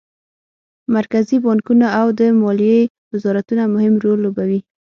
مرکزي بانکونه او د مالیې وزارتونه مهم رول لوبوي